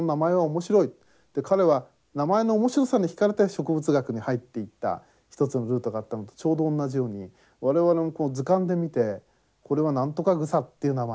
で彼は名前の面白さに引かれて植物学に入っていった一つのルートがあったのとちょうどおんなじように我々も図鑑で見てこれはなんとかグサっていう名前だ。